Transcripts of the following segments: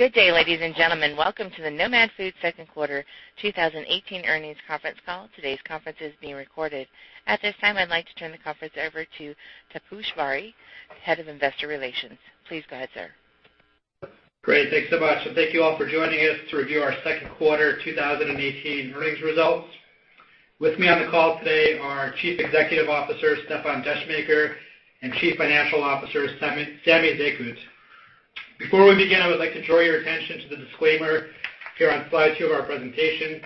Good day, ladies and gentlemen. Welcome to the Nomad Foods second quarter 2018 earnings conference call. Today's conference is being recorded. At this time, I'd like to turn the conference over to Taposh Bari, Head of Investor Relations. Please go ahead, sir. Great. Thanks so much. Thank you all for joining us to review our second quarter 2018 earnings results. With me on the call today are Chief Executive Officer, Stefan Descheemaeker, and Chief Financial Officer, Samy Zekhout. Before we begin, I would like to draw your attention to the disclaimer here on slide two of our presentation.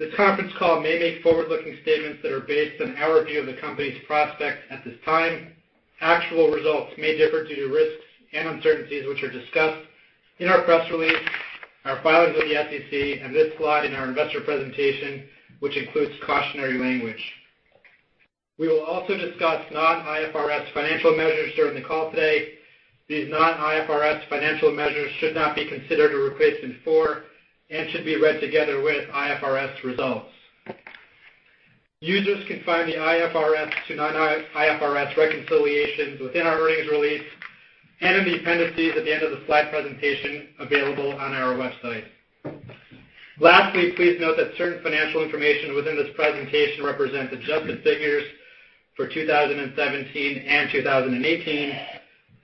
This conference call may make forward-looking statements that are based on our view of the company's prospects at this time. Actual results may differ due to risks and uncertainties, which are discussed in our press release, our filings with the SEC, and this slide in our investor presentation, which includes cautionary language. We will also discuss non-IFRS financial measures during the call today. These non-IFRS financial measures should not be considered a replacement for, and should be read together with IFRS results. Users can find the IFRS to non-IFRS reconciliations within our earnings release and in the appendices at the end of the slide presentation available on our website. Lastly, please note that certain financial information within this presentation represents adjusted figures for 2017 and 2018,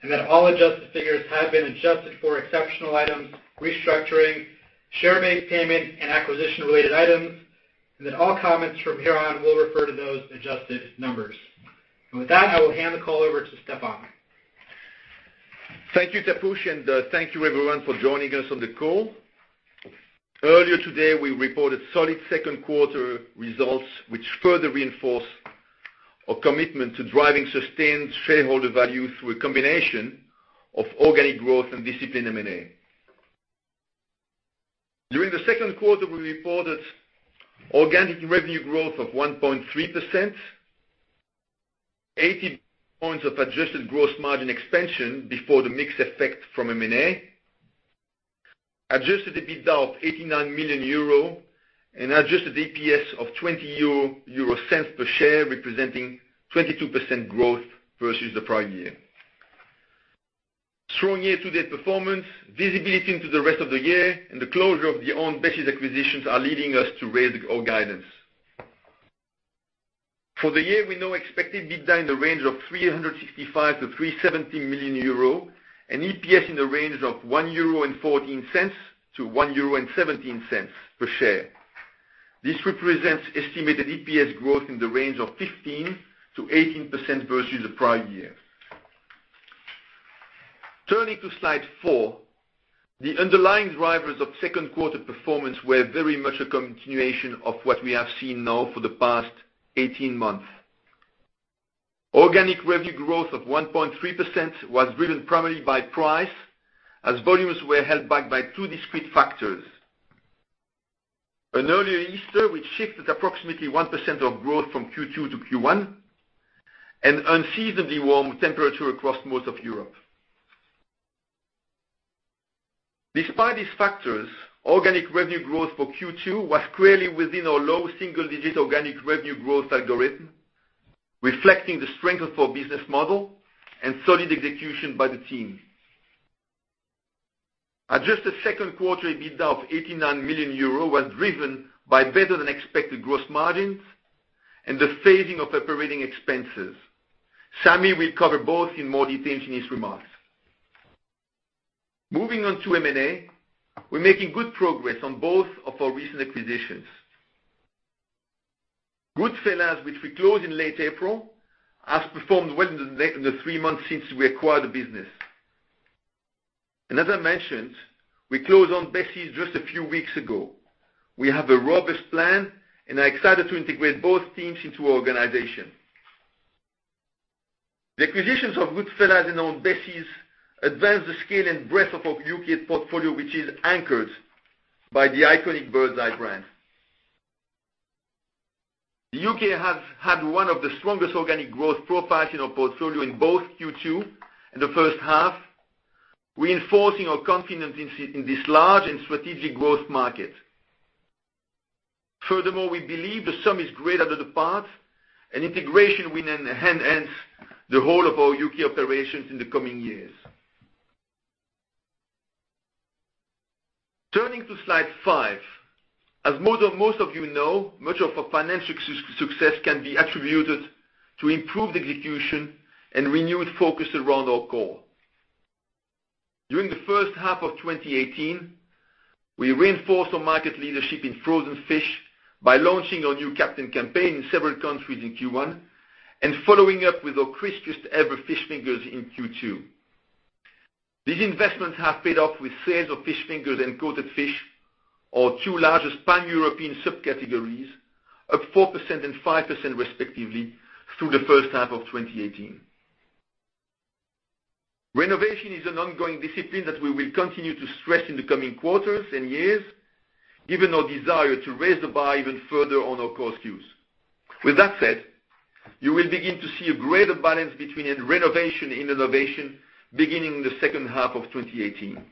and that all adjusted figures have been adjusted for exceptional items, restructuring, share-based payment, and acquisition-related items, and that all comments from here on will refer to those adjusted numbers. With that, I will hand the call over to Stéfan. Thank you, Taposh. Thank you everyone for joining us on the call. Earlier today, we reported solid second quarter results, which further reinforce our commitment to driving sustained shareholder value through a combination of organic growth and disciplined M&A. During the second quarter, we reported organic revenue growth of 1.3%, 80 points of adjusted gross margin expansion before the mix effect from M&A, adjusted EBITDA of 89 million euro, and adjusted EPS of 0.20 euro per share, representing 22% growth versus the prior year. Strong year-to-date performance, visibility into the rest of the year, and the closure of the Aunt Bessie's acquisitions are leading us to raise our guidance. For the year, we now expect EBITDA in the range of 365 million-370 million euro, and EPS in the range of 1.14-1.17 euro per share. This represents estimated EPS growth in the range of 15%-18% versus the prior year. Turning to slide four, the underlying drivers of second quarter performance were very much a continuation of what we have seen now for the past 18 months. Organic revenue growth of 1.3% was driven primarily by price, as volumes were held back by two discrete factors. An earlier Easter, which shifted approximately 1% of growth from Q2 to Q1, and unseasonably warm temperature across most of Europe. Despite these factors, organic revenue growth for Q2 was clearly within our low single-digit organic revenue growth algorithm, reflecting the strength of our business model and solid execution by the team. Adjusted second quarter EBITDA of 89 million euro was driven by better than expected gross margins and the phasing of operating expenses. Samy will cover both in more detail in his remarks. Moving on to M&A, we're making good progress on both of our recent acquisitions. Goodfella's, which we closed in late April, has performed well in the three months since we acquired the business. As I mentioned, we closed on Bessie's just a few weeks ago. We have a robust plan and are excited to integrate both teams into our organization. The acquisitions of Goodfella's and Aunt Bessie's advance the scale and breadth of our U.K. portfolio, which is anchored by the iconic Birds Eye brand. The U.K. has had one of the strongest organic growth profiles in our portfolio in both Q2 and the first half, reinforcing our confidence in this large and strategic growth market. Furthermore, we believe the sum is greater than the parts, and integration will enhance the whole of our U.K. operations in the coming years. Turning to slide five. As most of you know, much of our financial success can be attributed to improved execution and renewed focus around our core. During the first half of 2018, we reinforced our market leadership in frozen fish by launching our new Captain campaign in several countries in Q1, and following up with our crispiest ever fish fingers in Q2. These investments have paid off with sales of fish fingers and coated fish, our two largest pan-European subcategories, up 4% and 5% respectively through the first half of 2018. Renovation is an ongoing discipline that we will continue to stress in the coming quarters and years given our desire to raise the bar even further on our core SKUs. With that said, you will begin to see a greater balance between renovation and innovation beginning in the second half of 2018.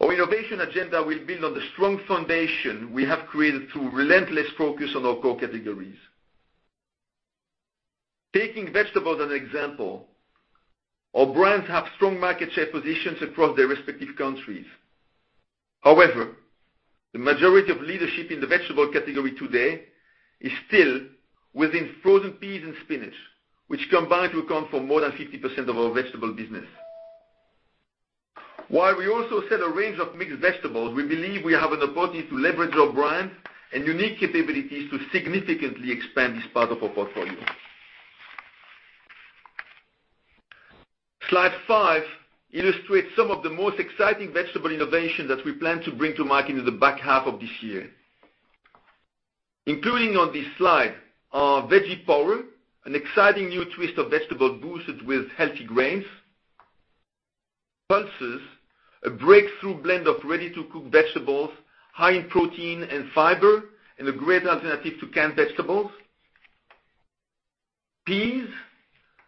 Our innovation agenda will build on the strong foundation we have created through relentless focus on our core categories. Taking vegetables as an example, our brands have strong market share positions across their respective countries. However, the majority of leadership in the vegetable category today is still within frozen peas and spinach, which combined to account for more than 50% of our vegetable business. While we also sell a range of mixed vegetables, we believe we have an opportunity to leverage our brands and unique capabilities to significantly expand this part of our portfolio. Slide five illustrates some of the most exciting vegetable innovation that we plan to bring to market in the back half of this year. Including on this slide are Veggie Power, an exciting new twist of vegetable boosted with healthy grains. Pulses, a breakthrough blend of ready-to-cook vegetables, high in protein and fiber, and a great alternative to canned vegetables. Pease,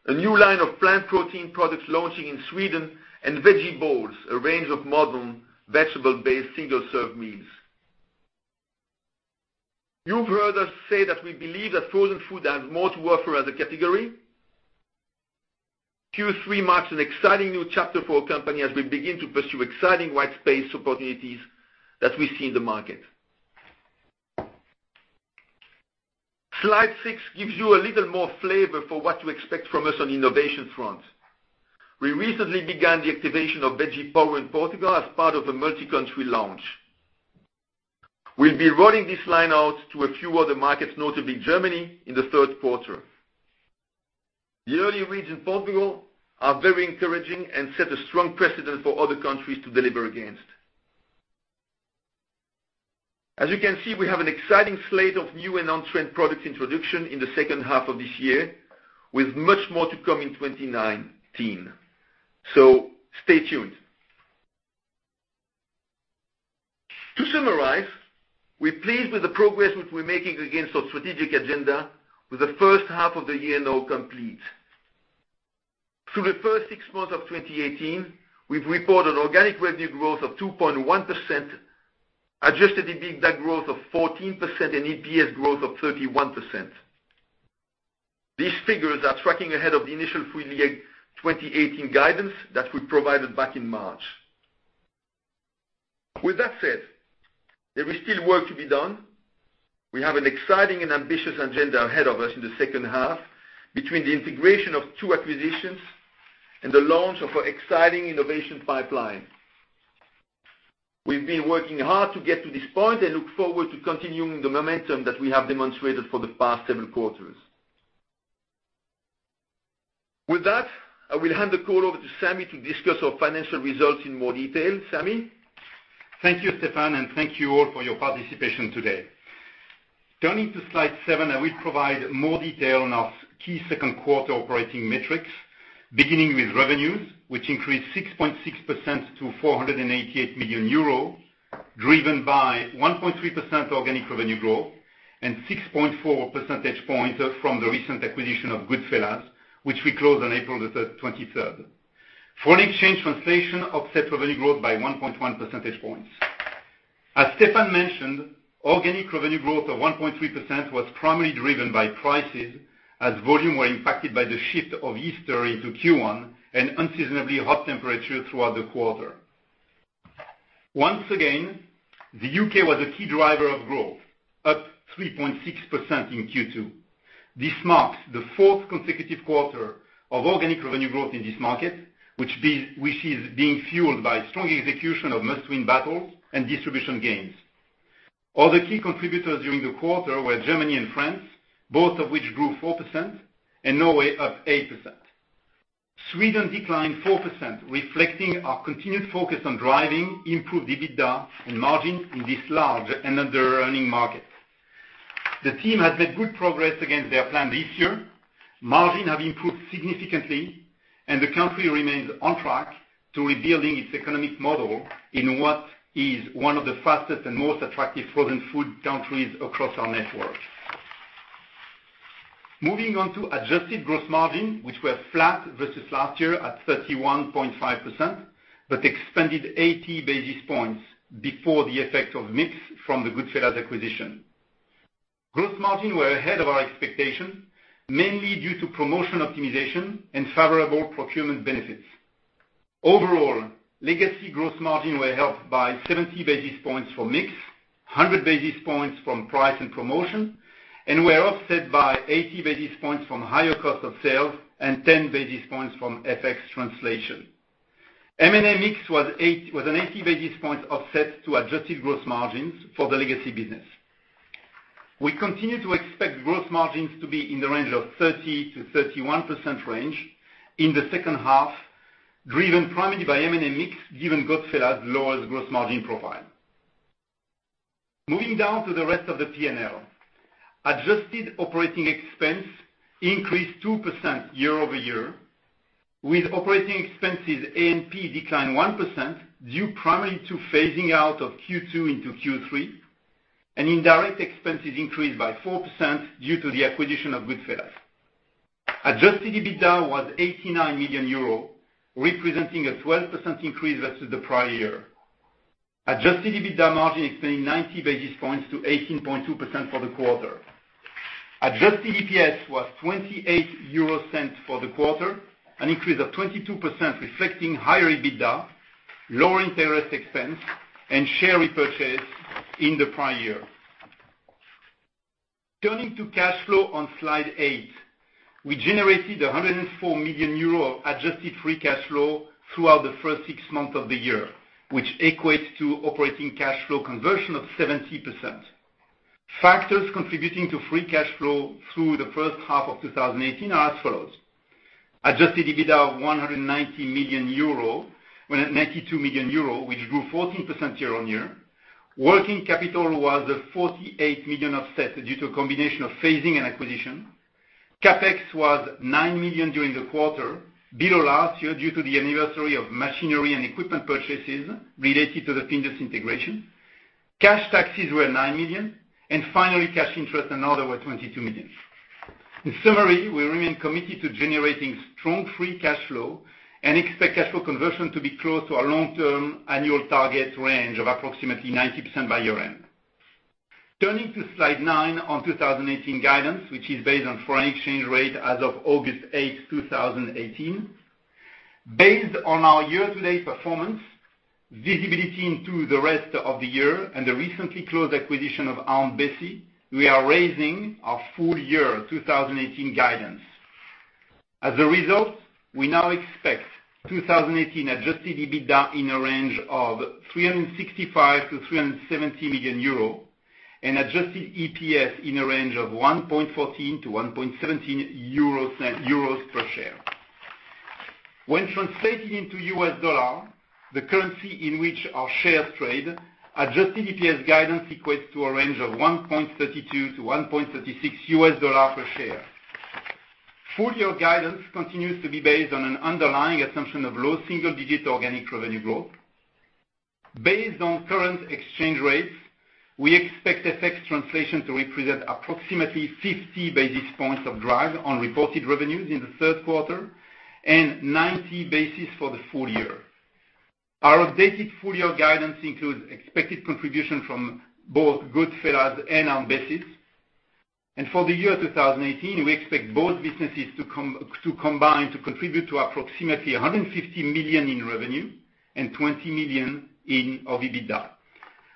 a new line of plant protein products launching in Sweden. Veggie Bowls, a range of modern vegetable-based single-serve meals. You've heard us say that we believe that frozen food has more to offer as a category. Q3 marks an exciting new chapter for our company as we begin to pursue exciting white space opportunities that we see in the market. Slide six gives you a little more flavor for what to expect from us on the innovation front. We recently began the activation of Veggie Power in Portugal as part of a multi-country launch. We'll be rolling this line out to a few other markets, notably Germany, in the third quarter. The early reads in Portugal are very encouraging and set a strong precedent for other countries to deliver against. As you can see, we have an exciting slate of new and on-trend product introduction in the second half of this year, with much more to come in 2019. Stay tuned. To summarize, we're pleased with the progress which we're making against our strategic agenda with the first half of the year now complete. Through the first six months of 2018, we've reported organic revenue growth of 2.1%, adjusted EBITDA growth of 14%, and EPS growth of 31%. These figures are tracking ahead of the initial full year 2018 guidance that we provided back in March. With that said, there is still work to be done. We have an exciting and ambitious agenda ahead of us in the second half, between the integration of two acquisitions and the launch of our exciting innovation pipeline. We've been working hard to get to this point and look forward to continuing the momentum that we have demonstrated for the past several quarters. With that, I will hand the call over to Samy to discuss our financial results in more detail. Samy? Thank you, Stefan, and thank you all for your participation today. Turning to slide seven, I will provide more detail on our key second quarter operating metrics, beginning with revenues, which increased 6.6% to 488 million euro, driven by 1.3% organic revenue growth and 6.4 percentage points from the recent acquisition of Goodfella's, which we closed on April 23rd. Foreign exchange translation offset revenue growth by 1.1 percentage points. As Stefan mentioned, organic revenue growth of 1.3% was primarily driven by prices, as volume were impacted by the shift of Easter into Q1 and unseasonably hot temperatures throughout the quarter. Once again, the U.K. was a key driver of growth, up 3.6% in Q2. This marks the fourth consecutive quarter of organic revenue growth in this market, which is being fueled by strong execution of Must Win Battles and distribution gains. Other key contributors during the quarter were Germany and France, both of which grew 4%, and Norway up 8%. Sweden declined 4%, reflecting our continued focus on driving improved EBITDA and margin in this large and underearning market. The team has made good progress against their plan this year. Margin have improved significantly, and the country remains on track to rebuilding its economic model in what is one of the fastest and most attractive frozen food countries across our network. Moving on to adjusted gross margin, which were flat versus last year at 31.5%, but expanded 80 basis points before the effect of mix from the Goodfella's acquisition. Gross margin were ahead of our expectation, mainly due to promotion optimization and favorable procurement benefits. Overall, legacy gross margin were helped by 70 basis points from mix, 100 basis points from price and promotion, and were offset by 80 basis points from higher cost of sales and 10 basis points from FX translation. M&A mix was an 80 basis point offset to adjusted gross margins for the legacy business. We continue to expect growth margins to be in the 30%-31% range in the second half, driven primarily by M&A mix given Goodfella's' lower gross margin profile. Moving down to the rest of the P&L. Adjusted operating expense increased 2% year-over-year, with operating expenses A&P decline 1%, due primarily to phasing out of Q2 into Q3, and indirect expenses increased by 4% due to the acquisition of Goodfella's. Adjusted EBITDA was 89 million euro, representing a 12% increase versus the prior year. Adjusted EBITDA margin expanded 90 basis points to 18.2% for the quarter. Adjusted EPS was 0.28 for the quarter, an increase of 22%, reflecting higher EBITDA, lower interest expense, and share repurchase in the prior year. Turning to cash flow on slide eight. We generated 104 million euros of adjusted free cash flow throughout the first six months of the year, which equates to operating cash flow conversion of 70%. Factors contributing to free cash flow through the first half of 2018 are as follows: adjusted EBITDA of 192 million euro, EUR 92 million, which grew 14% year-on-year. Working capital was a 48 million offset due to a combination of phasing and acquisition. CapEx was 9 million during the quarter, below last year due to the anniversary of machinery and equipment purchases related to the Findus integration. Cash taxes were 9 million. Finally, cash interest and other were 22 million. In summary, we remain committed to generating strong free cash flow and expect cash flow conversion to be close to our long-term annual target range of approximately 90% by year-end. Turning to slide nine on 2018 guidance, which is based on foreign exchange rate as of August 8th, 2018. Based on our year-to-date performance, visibility into the rest of the year, and the recently closed acquisition of Aunt Bessie's, we are raising our full year 2018 guidance. As a result, we now expect 2018 adjusted EBITDA in a range of 365 million-370 million euro and adjusted EPS in a range of 1.14-1.17 euros per share. When translating into U.S. dollar, the currency in which our shares trade, adjusted EPS guidance equates to a range of $1.32-$1.36 per share. Full-year guidance continues to be based on an underlying assumption of low single-digit organic revenue growth. Based on current exchange rates, we expect FX translation to represent approximately 50 basis points of drive on reported revenues in the third quarter and 90 basis points for the full year. Our updated full-year guidance includes expected contribution from both Goodfella's and Aunt Bessie's. For 2018, we expect both businesses to combine to contribute to approximately 150 million in revenue and 20 million of EBITDA.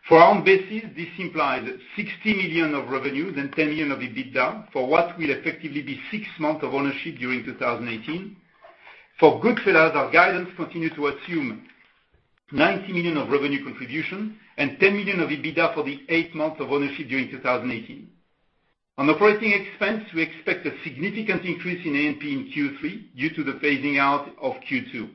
For Aunt Bessie's, this implies 60 million of revenue and 10 million of EBITDA for what will effectively be six months of ownership during 2018. For Goodfella's, our guidance continues to assume 90 million of revenue contribution and 10 million of EBITDA for the eight months of ownership during 2018. On operating expense, we expect a significant increase in A&P in Q3 due to the phasing out of Q2.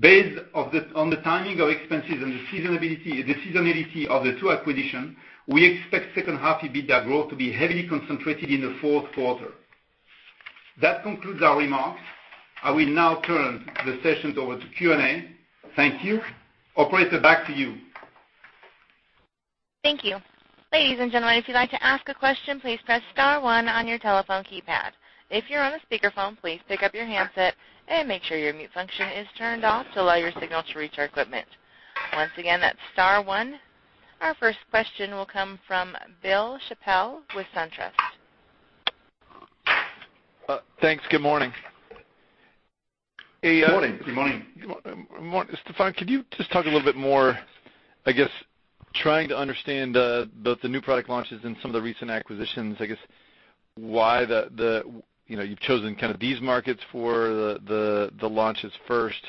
Based on the timing of expenses and the seasonality of the two acquisitions, we expect second half EBITDA growth to be heavily concentrated in the fourth quarter. That concludes our remarks. I will now turn the session over to Q&A. Thank you. Operator, back to you. Thank you. Ladies and gentlemen, if you'd like to ask a question, please press *1 on your telephone keypad. If you're on a speakerphone, please pick up your handset and make sure your mute function is turned off to allow your signal to reach our equipment. Once again, that's *1. Our first question will come from William Chappell with SunTrust. Thanks. Good morning. Good morning. Stéfan, could you just talk a little bit more, I guess, trying to understand both the new product launches and some of the recent acquisitions, I guess, why you've chosen these markets for the launches first.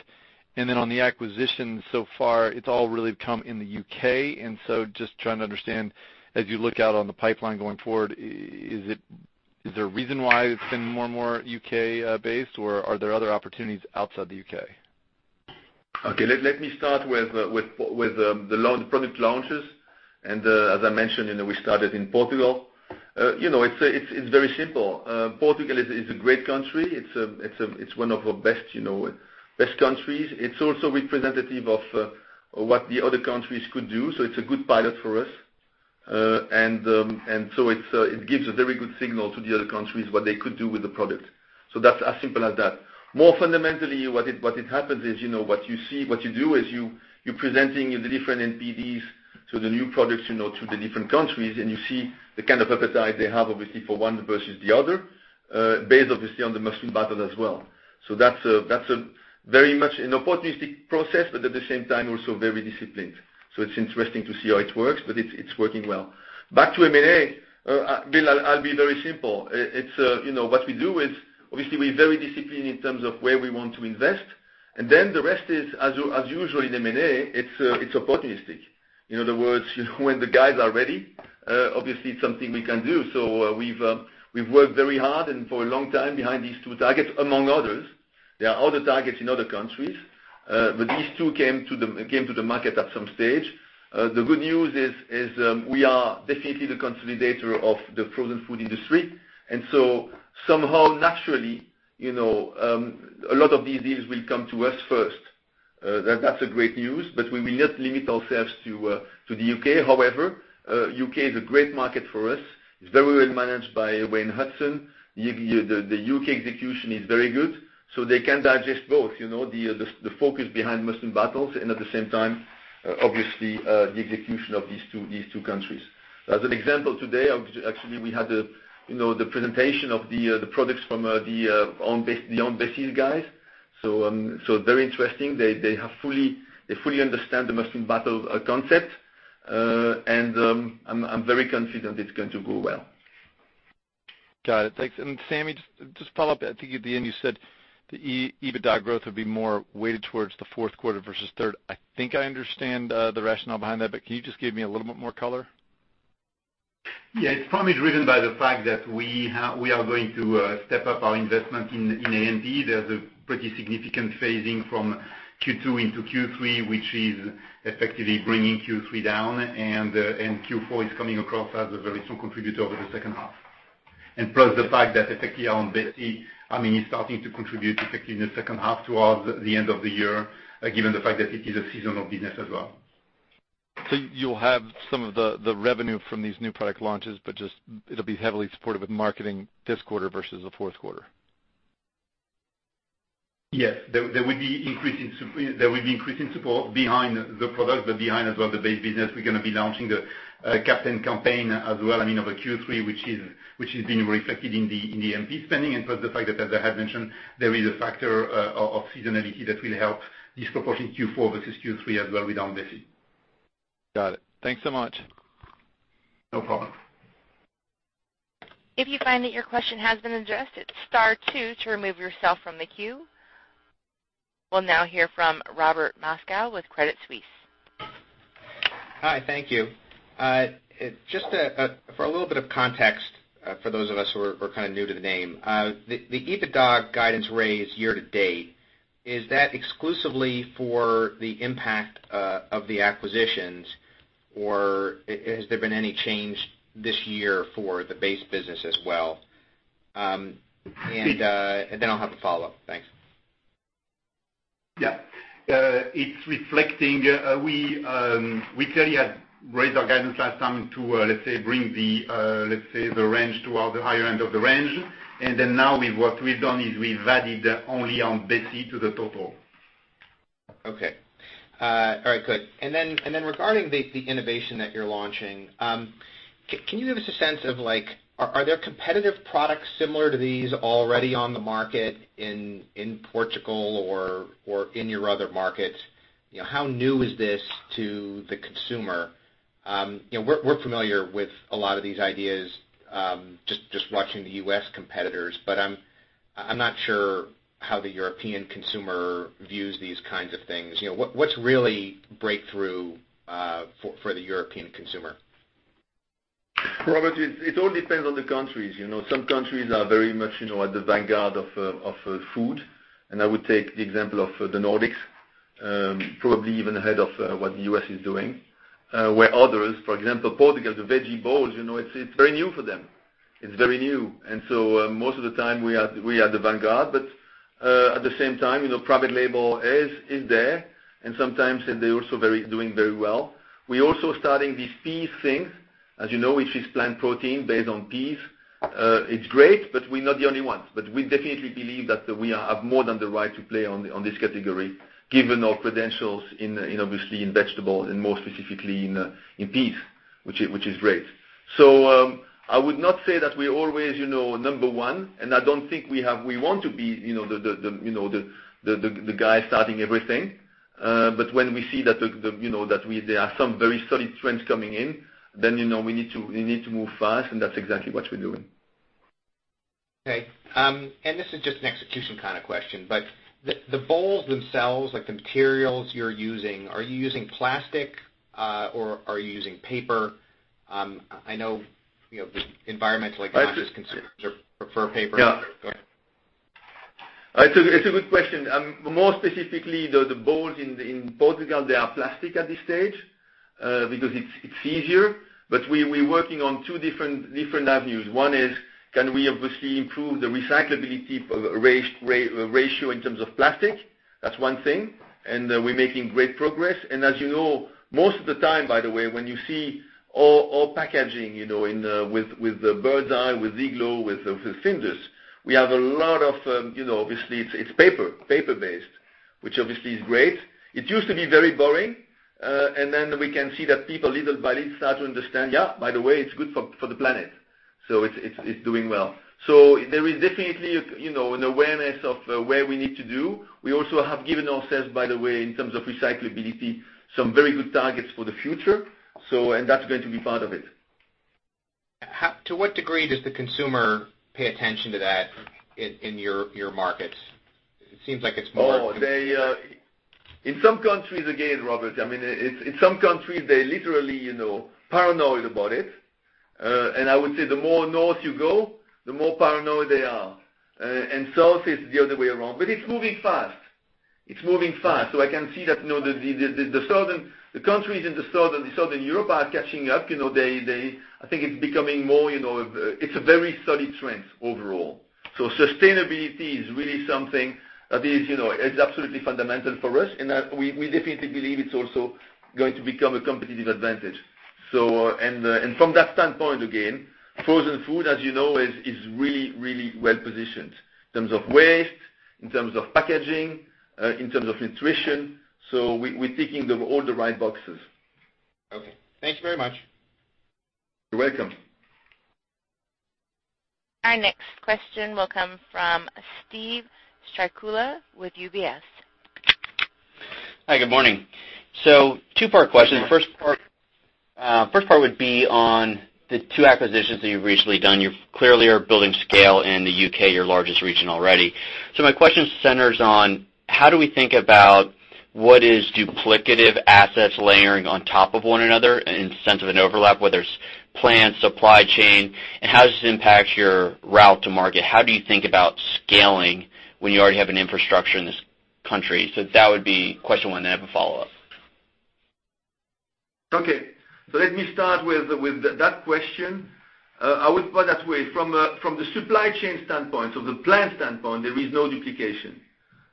On the acquisition so far, it's all really come in the U.K., so just trying to understand, as you look out on the pipeline going forward, is there a reason why it's been more U.K.-based, or are there other opportunities outside the U.K.? Okay. Let me start with the product launches. As I mentioned, we started in Portugal. It's very simple. Portugal is a great country. It's one of our best countries. It's also representative of what the other countries could do, so it's a good pilot for us. It gives a very good signal to the other countries what they could do with the product. That's as simple as that. More fundamentally, what happens is, what you do is you're presenting the different NPDs, so the new products, to the different countries, and you see the kind of appetite they have, obviously, for one versus the other, based, obviously, on the Must Win Battles as well. That's very much an opportunistic process, but at the same time, also very disciplined. It's interesting to see how it works, but it's working well. Back to M&A, Bill, I'll be very simple. What we do is, obviously, we're very disciplined in terms of where we want to invest. The rest is, as usual in M&A, it's opportunistic. In other words, when the guys are ready, obviously, it's something we can do. We've worked very hard and for a long time behind these two targets, among others. There are other targets in other countries. These two came to the market at some stage. The good news is we are definitely the consolidator of the frozen food industry. Somehow, naturally, a lot of these deals will come to us first. That's great news, we will not limit ourselves to the U.K. However, U.K. is a great market for us. It's very well managed by Wayne Hudson. The U.K. execution is very good, they can digest both, the focus behind Must Win Battles and at the same time Obviously, the execution of these two countries. As an example, today, actually, we had the presentation of the products from the Aunt Bessie's guys. Very interesting. They fully understand the Must Win Battles concept, and I'm very confident it's going to go well. Got it. Thanks. Samy, just to follow up, I think at the end, you said the EBITDA growth would be more weighted towards the fourth quarter versus third. I think I understand the rationale behind that, but can you just give me a little bit more color? Yeah. It's probably driven by the fact that we are going to step up our investment in A&P. There's a pretty significant phasing from Q2 into Q3, which is effectively bringing Q3 down, Q4 is coming across as a very strong contributor over the second half. Plus the fact that effectively Aunt Bessie's is starting to contribute effectively in the second half towards the end of the year, given the fact that it is a seasonal business as well. You'll have some of the revenue from these new product launches, but just it'll be heavily supported with marketing this quarter versus the fourth quarter. Yes. There will be increase in support behind the product, but behind as well the base business. We're going to be launching the Captain campaign as well of Q3, which is being reflected in the A&P spending. Plus the fact that, as I have mentioned, there is a factor of seasonality that will help disproportion Q4 versus Q3 as well with Aunt Bessie's. Got it. Thanks so much. No problem. If you find that your question has been addressed, hit star two to remove yourself from the queue. We'll now hear from Robert Moskow with Credit Suisse. Hi. Thank you. Just for a little bit of context, for those of us who are kind of new to the name. The EBITDA guidance raise year to date, is that exclusively for the impact of the acquisitions, or has there been any change this year for the base business as well? I'll have a follow-up. Thanks. Yeah. It's reflecting, we clearly had raised our guidance last time to, let's say, bring the range toward the higher end of the range. Now what we've done is we've added only Aunt Bessie's to the total. Okay. All right, good. Regarding the innovation that you're launching, can you give us a sense of are there competitive products similar to these already on the market in Portugal or in your other markets? How new is this to the consumer? We're familiar with a lot of these ideas, just watching the U.S. competitors, but I'm not sure how the European consumer views these kinds of things. What's really breakthrough for the European consumer? Robert, it all depends on the countries. Some countries are very much at the vanguard of food, I would take the example of the Nordics, probably even ahead of what the U.S. is doing. Where others, for example, Portugal, the Veggie Bowls, it's very new for them. It's very new. Most of the time, we are the vanguard, but at the same time, private label is there, and sometimes they're also doing very well. We're also starting these Pease. As you know, which is plant protein based on peas. It's great, we're not the only ones. We definitely believe that we have more than the right to play on this category, given our credentials obviously in vegetable and more specifically in peas, which is great. I would not say that we're always number one, and I don't think we want to be the guy starting everything. When we see that there are some very solid trends coming in, we need to move fast, and that's exactly what we're doing. Okay. This is just an execution kind of question, the bowls themselves, like the materials you're using, are you using plastic or are you using paper? I know the environmental conscious consumers prefer paper. Yeah. It's a good question. More specifically, the bowls in Portugal, they are plastic at this stage because it's easier. We're working on two different avenues. One is can we obviously improve the recyclability ratio in terms of plastic? That's one thing. We're making great progress. As you know, most of the time, by the way, when you see all packaging with Birds Eye, with Iglo, with Findus, we have a lot of, obviously it's paper-based, which obviously is great. It used to be very boring, and then we can see that people, little by little, start to understand, "Yeah, by the way, it's good for the planet." It's doing well. There is definitely an awareness of where we need to do. We also have given ourselves, by the way, in terms of recyclability, some very good targets for the future. That's going to be part of it. To what degree does the consumer pay attention to that in your markets? It seems like it's more- Oh, in some countries, again, Robert, I mean, in some countries, they're literally paranoid about it. I would say the more north you go, the more paranoid they are. South, it's the other way around. It's moving fast. It's moving fast. I can see that the countries in the southern Europe are catching up. It's a very solid trend overall. Sustainability is really something that is absolutely fundamental for us, and we definitely believe it's also going to become a competitive advantage. From that standpoint, again, frozen food, as you know, is really, really well-positioned in terms of waste, in terms of packaging, in terms of nutrition. We're ticking all the right boxes. Okay. Thank you very much. You're welcome. Our next question will come from Steven Strycula with UBS. Hi, good morning. Two-part question. First part would be on the two acquisitions that you've recently done. You clearly are building scale in the U.K., your largest region already. My question centers on how do we think about what is duplicative assets layering on top of one another in sense of an overlap, whether it's plant, supply chain, and how does this impact your route to market? How do you think about scaling when you already have an infrastructure in this country? That would be question one. I have a follow-up. Okay. Let me start with that question. I would put it that way, from the supply chain standpoint, the plant standpoint, there is no duplication.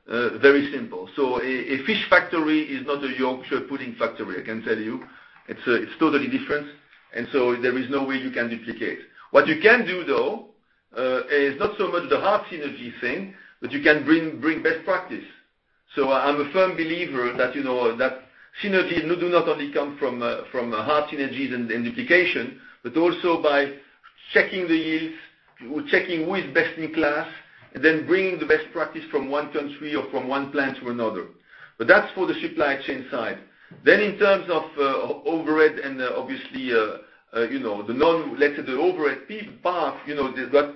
Very simple. A fish factory is not a Yorkshire pudding factory, I can tell you. It's totally different. There is no way you can duplicate. What you can do, though, is not so much the hard synergy thing, but you can bring best practice. I'm a firm believer that synergy do not only come from hard synergies and duplication, but also by checking the yields, checking who is best in class, and then bringing the best practice from one country or from one plant to another. That's for the supply chain side. In terms of overhead and obviously, let's say, the overhead path,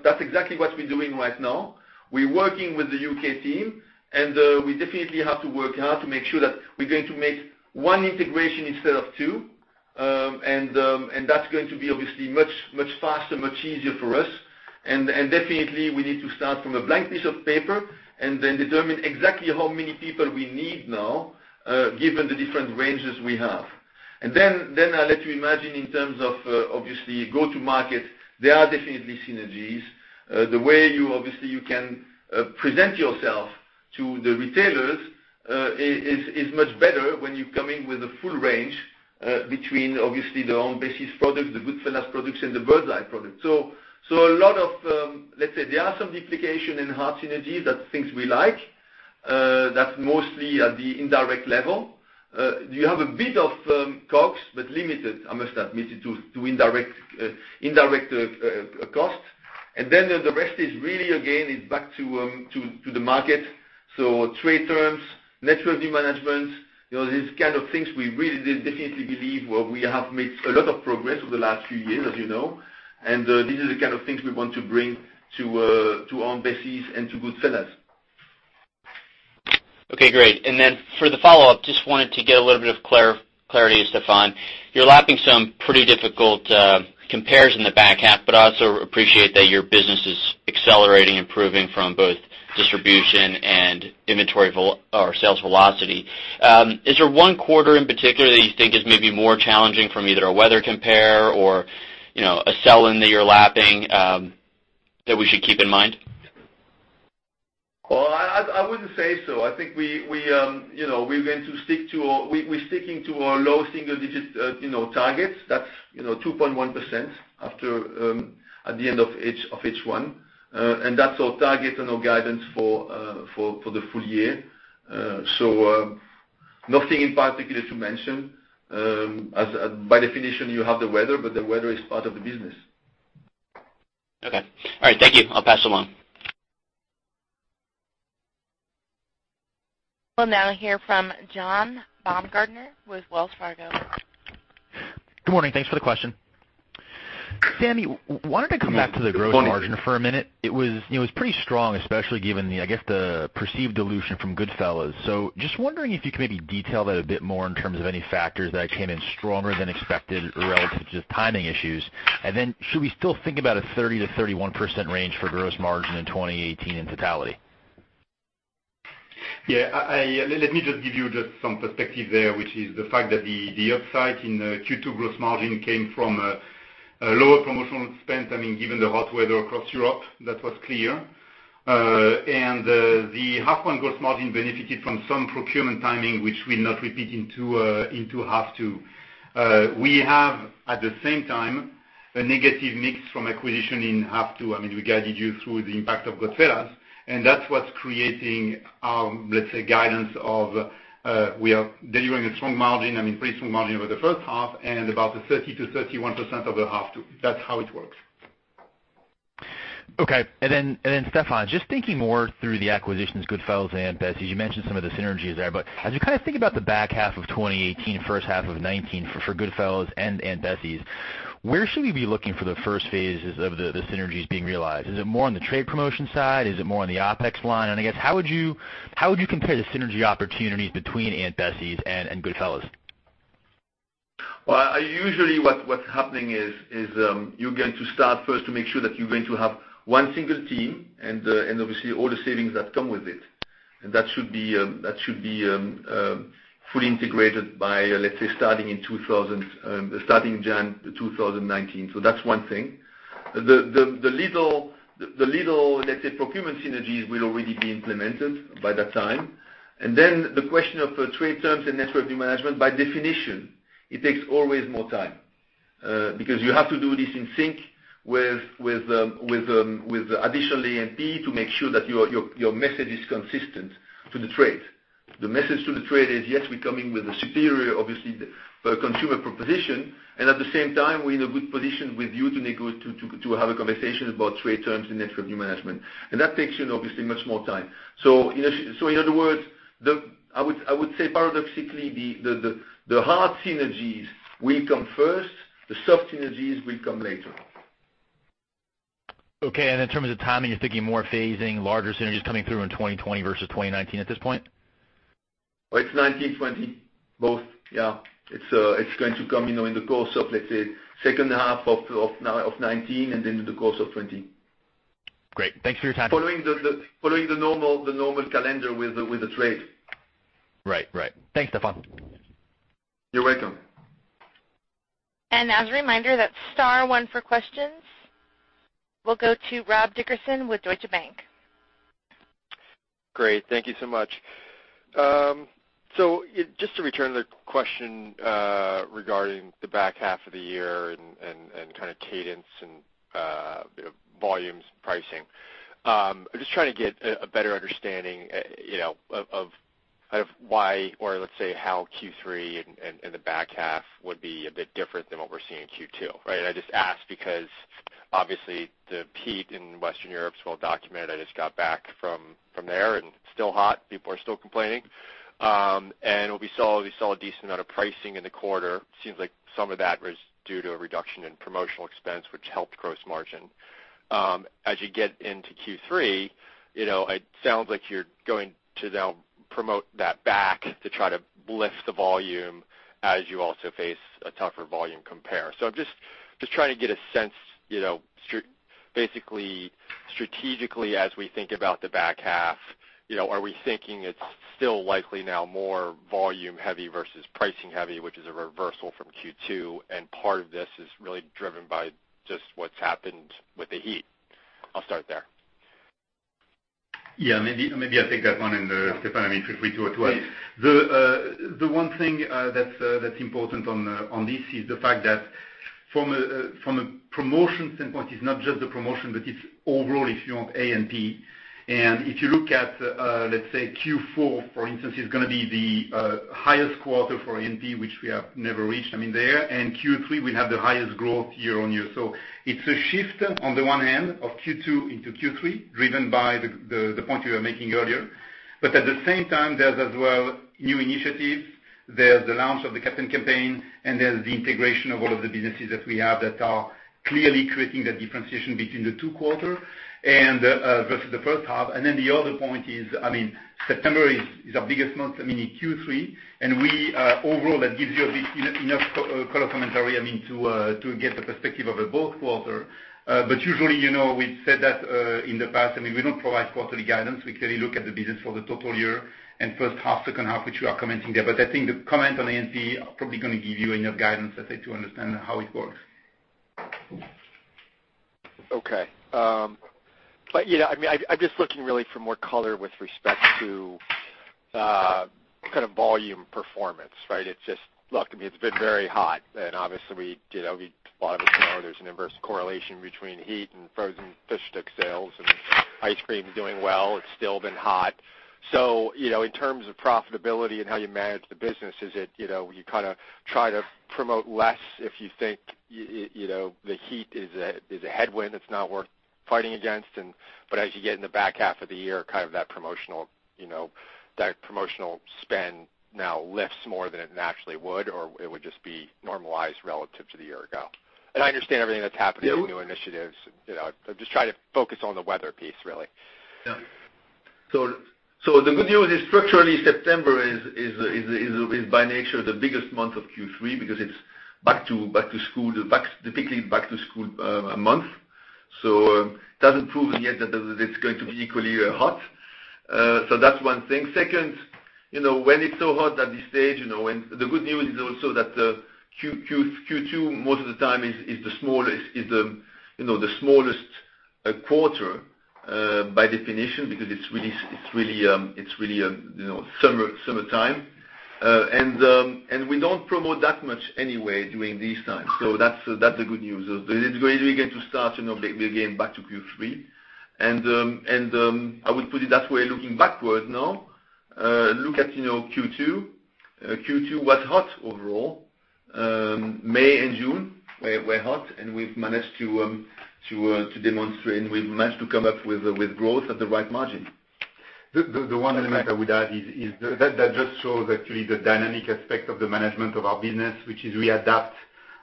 that's exactly what we're doing right now. We're working with the U.K. team, we definitely have to work hard to make sure that we're going to make one integration instead of two. That's going to be obviously much faster, much easier for us. Definitely, we need to start from a blank piece of paper and then determine exactly how many people we need now, given the different ranges we have. I'll let you imagine in terms of, obviously, go to market, there are definitely synergies. The way you obviously can present yourself to the retailers is much better when you come in with a full range between obviously the Aunt Bessie's products, the Goodfella's products, and the Birds Eye products. A lot of, let's say, there are some duplication in hard synergies. That's things we like. That's mostly at the indirect level. You have a bit of COGS, but limited, I must admit, to indirect cost. The rest is really again, is back to the market. Trade terms, net revenue management, these kind of things we really definitely believe where we have made a lot of progress over the last few years, as you know. These are the kind of things we want to bring to Aunt Bessie's and to Goodfella's. Okay, great. For the follow-up, just wanted to get a little bit of clarity, Stéfan. You're lapping some pretty difficult compares in the back half, but I also appreciate that your business is accelerating, improving from both distribution and inventory or sales velocity. Is there one quarter in particular that you think is maybe more challenging from either a weather compare or a sell-in that you're lapping, that we should keep in mind? Well, I wouldn't say so. I think we're sticking to our low single-digit targets. That's 2.1% at the end of H1. That's our target and our guidance for the full year. Nothing in particular to mention. By definition, you have the weather, but the weather is part of the business. Okay. All right, thank you. I'll pass along. We'll now hear from John Baumgartner with Wells Fargo. Good morning. Thanks for the question. Samy, wanted to come back to the gross margin for a minute. It was pretty strong, especially given the, I guess, the perceived dilution from Goodfella's. Just wondering if you could maybe detail that a bit more in terms of any factors that came in stronger than expected relative to timing issues. Should we still think about a 30%-31% range for gross margin in 2018 in totality? Yeah. Let me just give you just some perspective there, which is the fact that the upside in Q2 gross margin came from a lower promotional spend. I mean, given the hot weather across Europe, that was clear. The half one gross margin benefited from some procurement timing, which will not repeat into half two. We have, at the same time, a negative mix from acquisition in half two. I mean, we guided you through the impact of Goodfella's, and that's what's creating our, let's say, guidance of we are delivering a strong margin, I mean, pretty strong margin over the first half and about a 30%-31% over half two. That's how it works. Okay. Then, Stéfan, just thinking more through the acquisitions, Goodfella's and Aunt Bessie's, you mentioned some of the synergies there. As you think about the back half of 2018, first half of 2019 for Goodfella's and Aunt Bessie's, where should we be looking for the first phases of the synergies being realized? Is it more on the trade promotion side? Is it more on the OpEx line? I guess, how would you compare the synergy opportunities between Aunt Bessie's and Goodfella's? Well, usually what's happening is you're going to start first to make sure that you're going to have one single team and obviously all the savings that come with it. That should be fully integrated by, let's say, starting January 2019. That's one thing. The little, let's say, procurement synergies will already be implemented by that time. Then the question of trade terms and net revenue management, by definition, it takes always more time, because you have to do this in sync with additional NPD to make sure that your message is consistent to the trade. The message to the trade is, yes, we're coming with a superior, obviously, consumer proposition, and at the same time, we're in a good position with you to have a conversation about trade terms and net revenue management. That takes obviously much more time. In other words, I would say paradoxically, the hard synergies will come first. The soft synergies will come later. Okay. In terms of timing, you're thinking more phasing larger synergies coming through in 2020 versus 2019 at this point? Well, it's 2019, 2020, both. Yeah. It's going to come in the course of, let's say, second half of 2019, and then the course of 2020. Great. Thanks for your time. Following the normal calendar with the trade. Right. Thanks, Stefan. You're welcome. As a reminder, that's star one for questions. We'll go to Robert Dickerson with Deutsche Bank. Great. Thank you so much. Just to return to the question, regarding the back half of the year and kind of cadence and volumes and pricing. I'm just trying to get a better understanding, of why or let's say how Q3 and the back half would be a bit different than what we're seeing in Q2, right? I just ask because obviously the heat in Western Europe is well documented. I just got back from there, and it's still hot. People are still complaining. We saw a decent amount of pricing in the quarter. Seems like some of that was due to a reduction in promotional expense, which helped gross margin. As you get into Q3, it sounds like you're going to now promote that back to try to lift the volume as you also face a tougher volume compare. I'm just trying to get a sense, basically, strategically as we think about the back half, are we thinking it's still likely now more volume heavy versus pricing heavy, which is a reversal from Q2, and part of this is really driven by just what's happened with the heat? I'll start there. Maybe I take that one and, Stefan, if we do it to us. The one thing that is important on this is the fact that from a promotion standpoint, it is not just the promotion, but it is overall if you want A&P. If you look at, let's say, Q4, for instance, it is going to be the highest quarter for A&P, which we have never reached there, and Q3 will have the highest growth year-on-year. It is a shift on the one hand of Q2 into Q3, driven by the point you were making earlier. At the same time, there is as well new initiatives. There is the launch of the Captain campaign, and there is the integration of all of the businesses that we have that are clearly creating that differentiation between the two quarters versus the first half. The other point is, September is our biggest month in Q3, and we overall, that gives you a bit enough color commentary to get the perspective of both quarters. Usually, we have said that in the past, we do not provide quarterly guidance. We clearly look at the business for the total year and first half, second half, which we are commenting there. I think the comment on A&P are probably going to give you enough guidance, I say, to understand how it works. Okay. I am just looking really for more color with respect to kind of volume performance, right? Look, it has been very hot, and obviously, a lot of us know there is an inverse correlation between heat and frozen fish finger sales, and ice cream is doing well. It is still been hot. So, in terms of profitability and how you manage the business, is it, you kind of try to promote less if you think the heat is a headwind that is not worth fighting against. As you get in the back half of the year, kind of that promotional spend now lifts more than it naturally would, or it would just be normalized relative to the year ago. I understand everything that is happening with new initiatives. I am just trying to focus on the weather piece, really. The good news is structurally, September is by nature the biggest month of Q3 because it is typically back to school month. It does not prove yet that it is going to be equally hot. That is one thing. Second, when it is so hot at this stage, the good news is also that Q2, most of the time is the smallest quarter, by definition, because it is really summertime. We do not promote that much anyway during these times. That is the good news. We are going to start again back to Q3, and I will put it that way, looking backward now, look at Q2. Q2 was hot overall. May and June were hot, and we have managed to demonstrate, and we have managed to come up with growth at the right margin. The one element I would add is that just shows actually the dynamic aspect of the management of our business, which is we adapt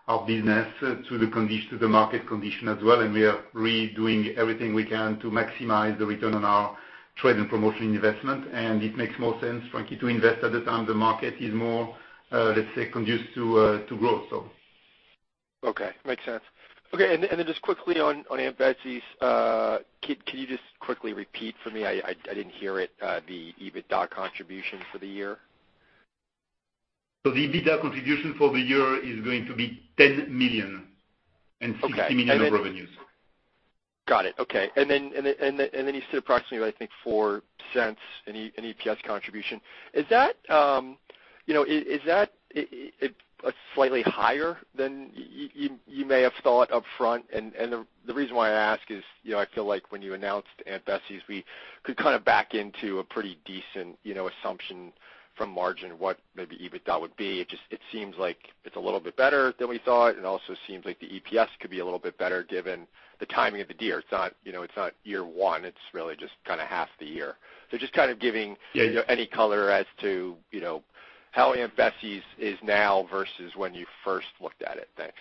our business to the market condition as well. We are redoing everything we can to maximize the return on our trade and promotion investment. It makes more sense, frankly, to invest at the time the market is more, let's say, conducive to growth. Okay. Makes sense. Okay. Quickly on Aunt Bessie's, can you just quickly repeat for me? I didn't hear it, the EBITDA contribution for the year. The EBITDA contribution for the year is going to be 10 million and 60 million revenues. Got it. Okay. You said approximately, I think, 0.04 in EPS contribution. Is that a slightly higher than you may have thought upfront? The reason why I ask is, I feel like when you announced Aunt Bessie's, we could kind of back into a pretty decent assumption from margin what maybe EBITDA would be. It seems like it's a little bit better than we thought. It also seems like the EPS could be a little bit better given the timing of the deal. It's not year one, it's really just kind of half the year. Just kind of giving any color as to how Aunt Bessie's is now versus when you first looked at it. Thanks.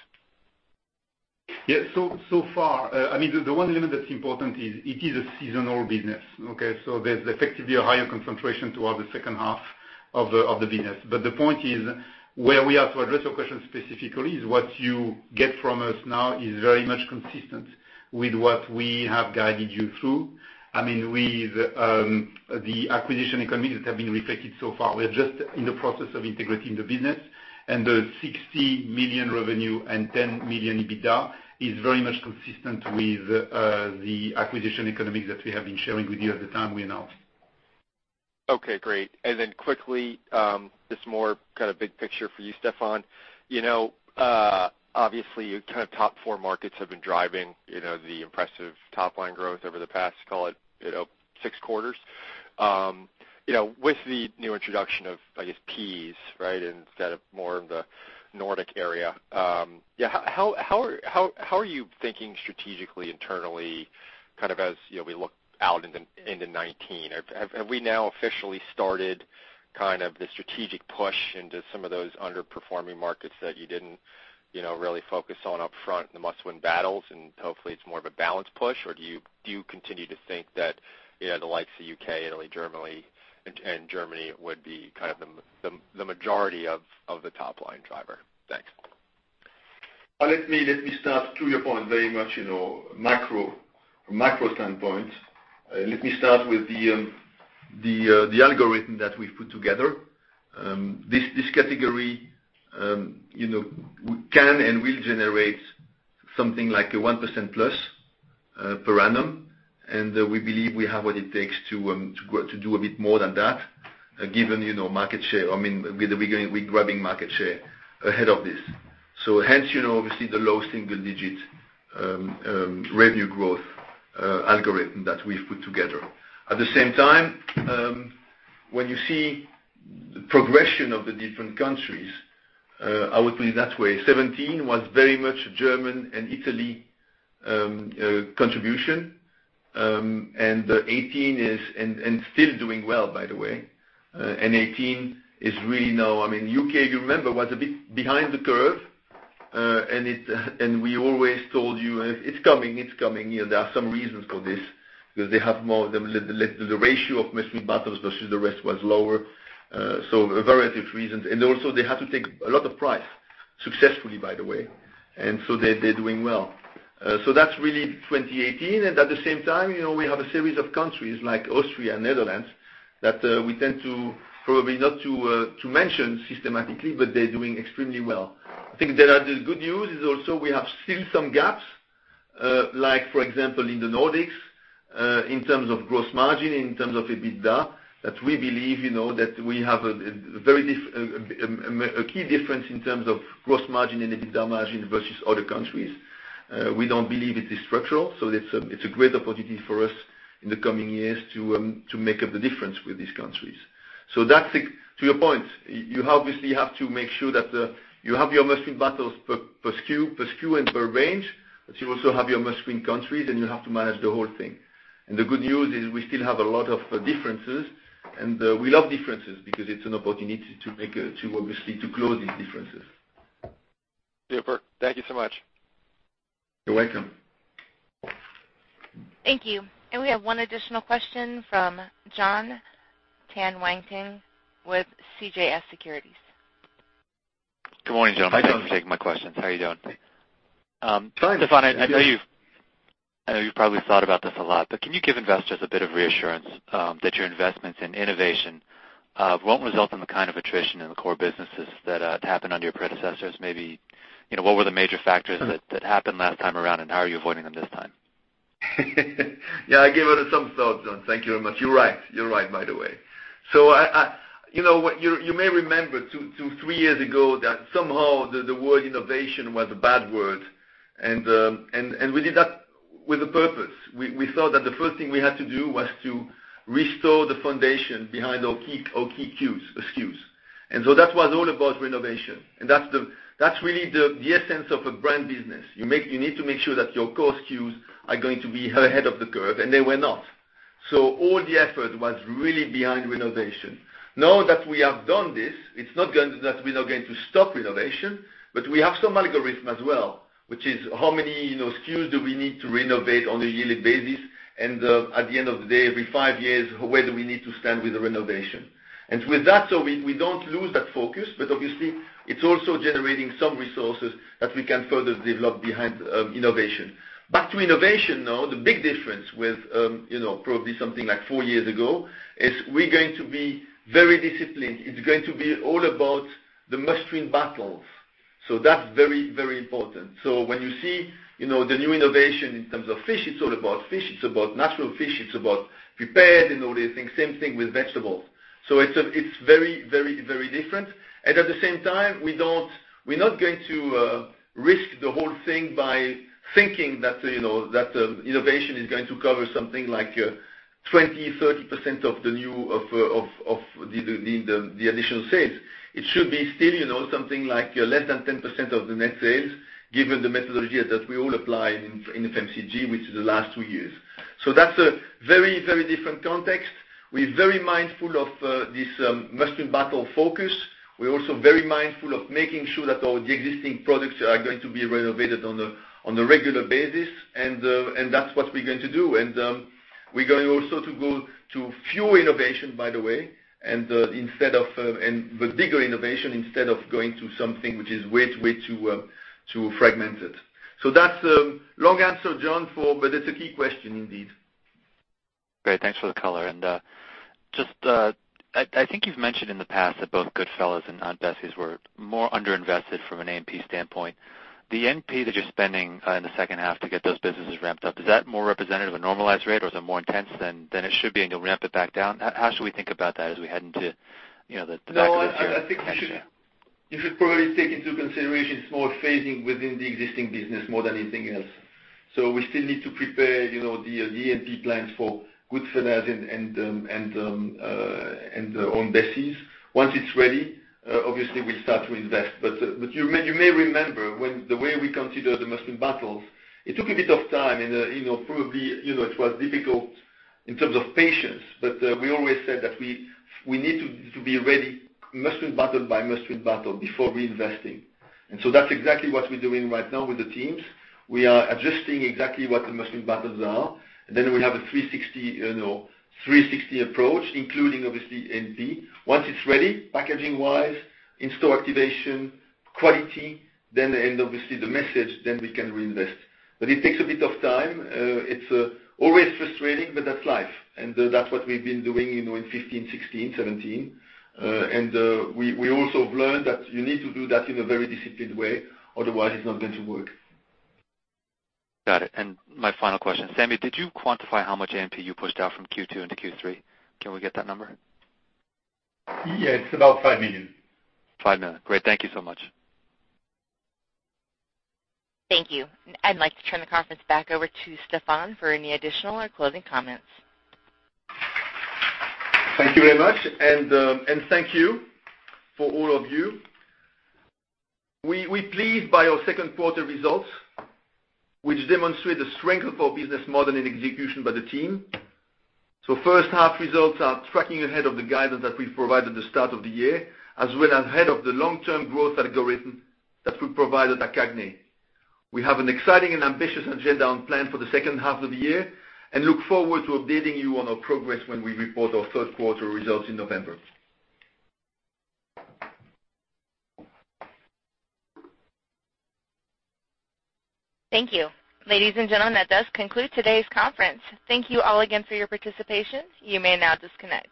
Yeah. So far, the one element that is important is it is a seasonal business, okay? There is effectively a higher concentration toward the second half of the business. The point is, where we are, to address your question specifically, is what you get from us now is very much consistent with what we have guided you through. With the acquisition economies that have been reflected so far, we are just in the process of integrating the business, and the 60 million revenue and 10 million EBITDA is very much consistent with the acquisition economies that we have been sharing with you at the time we announced. Okay, great. Quickly, just more kind of big picture for you, Stéfan. Obviously, your kind of top four markets have been driving the impressive top-line growth over the past, call it, six quarters. With the new introduction of, I guess, Pease instead of more of the Nordic area, how are you thinking strategically, internally, as we look out into 2019? Have we now officially started the strategic push into some of those underperforming markets that you did not really focus on upfront in the Must Win Battles, and hopefully it is more of a balanced push? Do you continue to think that the likes of U.K., Italy, and Germany would be kind of the majority of the top-line driver? Thanks. Let me start, to your point, very much macro standpoint. Let me start with the algorithm that we have put together. This category can and will generate something like a 1% plus per annum, we believe we have what it takes to do a bit more than that, given market share. We are grabbing market share ahead of this. Hence, obviously, the low single-digit revenue growth algorithm that we have put together. At the same time, when you see the progression of the different countries, I would put it that way, 2017 was very much German and Italy contribution, still doing well, by the way. 2018 is really now, U.K., you remember, was a bit behind the curve, we always told you, "It is coming, it is coming." There are some reasons for this, because the ratio of Must Win Battles versus the rest was lower. A variety of reasons. Also, they had to take a lot of price successfully, by the way. They are doing well. That is really 2018, at the same time, we have a series of countries like Austria and Netherlands that we tend to probably not to mention systematically, but they are doing extremely well. I think the good news is also we have still some gaps, like for example, in the Nordics, in terms of gross margin, in terms of EBITDA, that we believe that we have a key difference in terms of gross margin and EBITDA margin versus other countries. We do not believe it is structural, it is a great opportunity for us in the coming years to make up the difference with these countries. To your point, you obviously have to make sure that you have your Must Win Battles per SKU and per range, but you also have your Must Win countries, and you have to manage the whole thing. The good news is we still have a lot of differences, and we love differences because it's an opportunity to obviously close these differences. Super. Thank you so much. You're welcome. Thank you. We have one additional question from Jon Tanwanteng with CJS Securities. Good morning, gentlemen. Hi, Jon. Thank you for taking my questions. How are you doing? Fine. Stéfan, I know you've probably thought about this a lot, but can you give investors a bit of reassurance that your investments in innovation won't result in the kind of attrition in the core businesses that happened under your predecessors? Maybe what were the major factors that happened last time around, and how are you avoiding them this time? Yeah, I give it some thought, Jon. Thank you very much. You are right. You are right, by the way. You may remember two to three years ago that somehow the word innovation was a bad word, and we did that with a purpose. We thought that the first thing we had to do was to restore the foundation behind our key SKUs. That was all about renovation, and that is really the essence of a brand business. You need to make sure that your core SKUs are going to be ahead of the curve, and they were not. All the effort was really behind renovation. Now that we have done this, it is not that we are now going to stop renovation, but we have some algorithm as well, which is how many SKUs do we need to renovate on a yearly basis, and at the end of the day, every five years, where do we need to stand with the renovation. With that, so we don't lose that focus, but obviously It is also generating some resources that we can further develop behind innovation. Back to innovation now, the big difference with probably something like four years ago, is we are going to be very disciplined. It is going to be all about the Must Win Battles. That is very important. When you see the new innovation in terms of fish, it is all about fish, it is about natural fish, it is about prepared and all these things. Same thing with vegetables. It is very different. At the same time, we are not going to risk the whole thing by thinking that innovation is going to cover something like 20%, 30% of the additional sales. It should be still something like less than 10% of the net sales, given the methodology that we all apply in FMCG, which is the last two years. That is a very different context. We are very mindful of this Must Win Battle focus. We are also very mindful of making sure that all the existing products are going to be renovated on a regular basis, and that is what we are going to do. We are going also to go to fewer innovation, by the way, and with bigger innovation instead of going to something which is way too fragmented. That is a long answer, Jon, but it is a key question indeed. Great, thanks for the color. I think you've mentioned in the past that both Goodfella's and Aunt Bessie's were more under-invested from an A&P standpoint. The A&P that you're spending in the second half to get those businesses ramped up, is that more representative of normalized rate or is it more intense than it should be and you'll ramp it back down? How should we think about that as we head into the back half of the year and next year? No, I think you should probably take into consideration it's more phasing within the existing business more than anything else. We still need to prepare the A&P plans for Goodfella's and Aunt Bessie's. Once it's ready, obviously we start to invest. You may remember, the way we consider the Must Win Battles, it took a bit of time and probably it was difficult in terms of patience, but we always said that we need to be ready Must Win Battle by Must Win Battle before reinvesting. That's exactly what we're doing right now with the teams. We are adjusting exactly what the Must Win Battles are, and then we have a 360 approach, including obviously A&P. Once it's ready, packaging-wise, in-store activation, quality, and obviously the message, then we can reinvest. It takes a bit of time. It's always frustrating, but that's life. That's what we've been doing in 2015, 2016, 2017. We also have learned that you need to do that in a very disciplined way, otherwise it's not going to work. Got it. My final question, Samy, did you quantify how much A&P you pushed out from Q2 into Q3? Can we get that number? Yeah, it's about 5 million. 5 million. Great. Thank you so much. Thank you. I'd like to turn the conference back over to Stéfan for any additional or closing comments. Thank you very much, and thank you for all of you. We're pleased by our second quarter results, which demonstrate the strength of our business model and execution by the team. First half results are tracking ahead of the guidance that we've provided the start of the year, as well as ahead of the long-term growth algorithm that we provided at CAGNY. We have an exciting and ambitious agenda on plan for the second half of the year, and look forward to updating you on our progress when we report our third quarter results in November. Thank you. Ladies and gentlemen, that does conclude today's conference. Thank you all again for your participation. You may now disconnect.